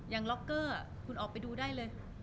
ล็อกเกอร์คุณออกไปดูได้เลย